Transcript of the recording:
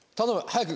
早く！